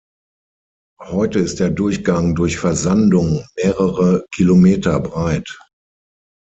Heute ist der Durchgang durch Versandung mehrere Kilometer breit.